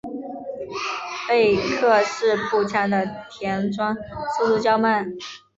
贝克式步枪的填装速度较慢。